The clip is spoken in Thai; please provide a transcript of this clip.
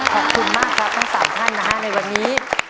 ขอบคุณมากครับทั้ง๓ท่านนะฮะในวันนี้